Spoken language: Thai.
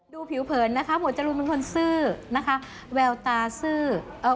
ผิวเผินนะคะหมวดจรูนเป็นคนซื่อนะคะแววตาซื่อเอ่อ